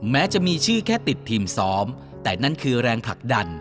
แม้จะมีชื่อแค่ติดทีมซ้อมแต่นั่นคือแรงผลักดัน